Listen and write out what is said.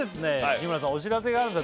日村さんお知らせがあるんです